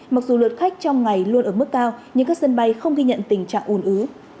mặc dù lượt khách trong ngày luôn ở mức cao nhưng các sân bay không ghi nhận tình trạng ồn ứ